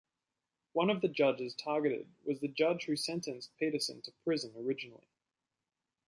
One of the judges targeted was the judge who sentenced Petersen to prison originally.